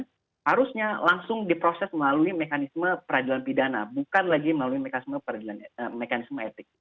polisian yang melakukan nilai kerasan harusnya langsung diproses melalui mekanisme peradilan pidana bukan lagi melalui mekanisme etik